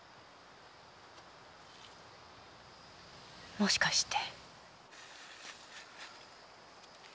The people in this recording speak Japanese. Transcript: もしかして。